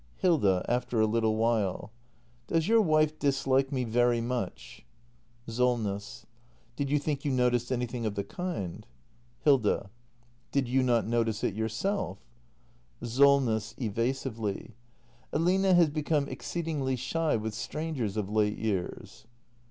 Hilda. [After a little while.] Does your wife dislike me very much? Solness. Did you think you noticed anything of the kind ? Hilda. Did you not notice it yourself? act ii] THE MASTER BUILDER 335 SOLNESS. [Evasively.] Aline has become exceedingly shy with strangers of late years.